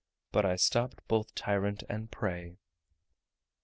But I stopped both tyrant and prey.